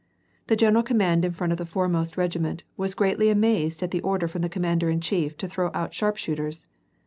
The general in command of the foremost regiment was greatly amazed at the order from the commander in chief to throw out sharpshooters.